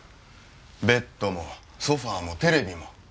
ベッドもソファもテレビも！